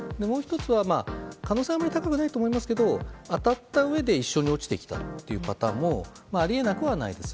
もう１つは、可能性は高くないとは思いますけど当たったうえで一緒に落ちてきたパターンもあり得なくはないです。